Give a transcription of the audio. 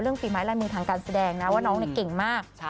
ฝีไม้ลายมือทางการแสดงนะว่าน้องเนี่ยเก่งมาก